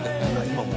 「今も？」